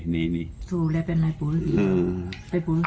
นี่ถูกเลยเป็นอะไรปูฤษี